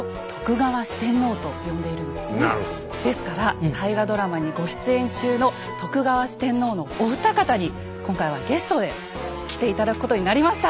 ですから大河ドラマにご出演中の徳川四天王のお二方に今回はゲストで来て頂くことになりました。